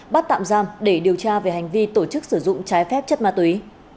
bắt tạm giam để điều tra về hành vi tổ chức sử dụng trái phép chất ma túy